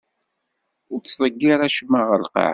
Ur ttḍeggir acemma ɣer lqaɛa.